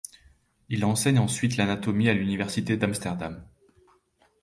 Il enseigne ensuite l’anatomie à l’université d'Amsterdam.